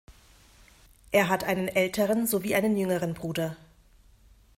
Er hat einen älteren sowie einen jüngeren Bruder.